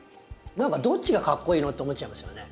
何かどっちがかっこイイのって思っちゃいますよね。